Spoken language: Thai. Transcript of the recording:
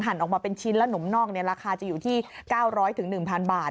หั่นออกมาเป็นชิ้นแล้วหนมนอกเนี่ยราคาจะอยู่ที่๙๐๐ถึง๑๐๐๐บาท